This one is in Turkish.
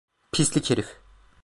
Pislik herif!